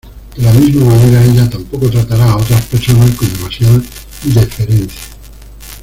De la misma manera, ella tampoco tratará a otras personas con demasiada deferencia.